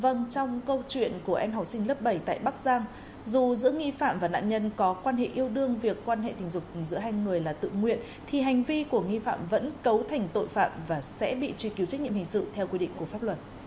vâng trong câu chuyện của em học sinh lớp bảy tại bắc giang dù giữa nghi phạm và nạn nhân có quan hệ yêu đương việc quan hệ tình dục giữa hai người là tự nguyện thì hành vi của nghi phạm vẫn cấu thành tội phạm và sẽ bị truy cứu trách nhiệm hình sự theo quy định của pháp luật